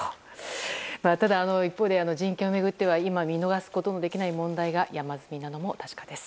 ただ、一方で人権を巡っては今見逃すことのできない問題が山積みなのも確かです。